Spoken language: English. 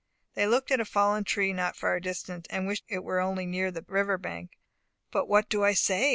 They looked at a fallen tree not far distant, and wished it were only near the river bank. "But what do I say?"